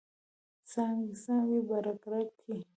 څانګې، څانګې په رګ، رګ کې